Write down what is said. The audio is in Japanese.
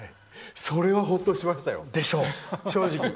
ほっとしましたよ、正直。